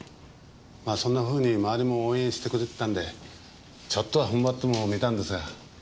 まあそんなふうに周りも応援してくれてたんでちょっとは踏ん張ってもみたんですが。